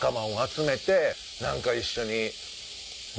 何か一緒に。